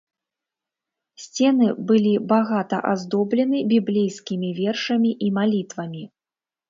Сцены былі багата аздоблены біблейскімі вершамі і малітвамі.